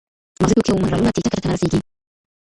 مغذي توکي او منرالونه ټیټه کچه ته نه رسېږي.